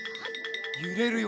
ゆれるよ。